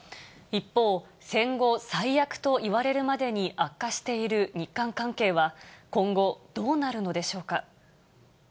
一方、戦後最悪といわれるまでに悪化している日韓関係は今後、どうなるのでしょうか。